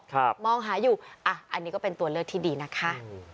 มองหาอยู่อ่ะอันนี้ก็เป็นตัวเลือกที่ดีนะคะ